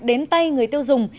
đến tay người tiêu dùng